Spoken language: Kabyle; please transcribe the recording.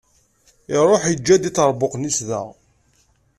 Iruḥ iǧǧa-d iṭerbuqen-is da.